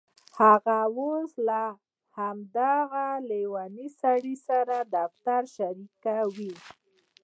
هغه اوس له همدې لیونۍ سړي سره دفتر شریکوي